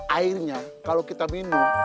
airnya kalau kita minum